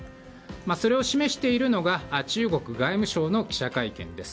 それを示しているのが中国外務省の記者会見です。